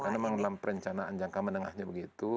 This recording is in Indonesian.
karena memang dalam perencanaan jangka menengahnya begitu